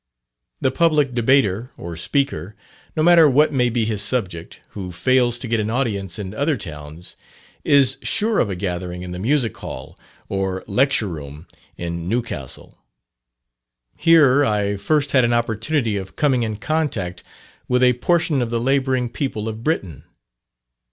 The public debater or speaker, no matter what may be his subject, who fails to get an audience in other towns, is sure of a gathering in the Music Hall, or Lecture Room in Newcastle. Here I first had an opportunity of coming in contact with a portion of the labouring people of Britain.